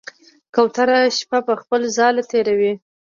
کوتره شپه په خپل ځاله تېروي.